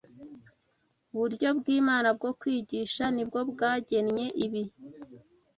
Uburyo bw’Imana bwo kwigisha ni bwo bwagennye ibi